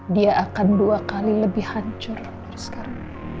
dia akan dua kali lebih hancur sekarang